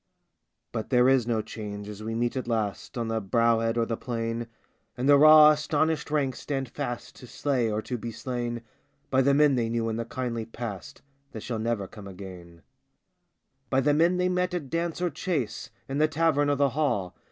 But there is no change as we meet at last On the brow head or the plain, And the raw astonished ranks stand fast To slay or to be slain By the men they knew in the kindly past That shall never come again — By the men they met at dance or chase, In the tavern or the hall.